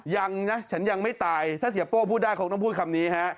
ยังนะฉันยังไม่ตายถ้าเสียโป้พูดได้คงต้องพูดคำนี้ฮะ